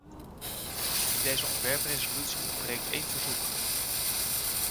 In deze ontwerpresolutie ontbreekt één verzoek.